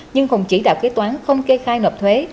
nhưng không chỉ đạo kế toán không kê khai nộp thuế